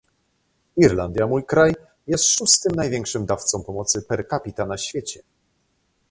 Irlandia, mój kraj, jest szóstym największym dawcą pomocy per capita na świecie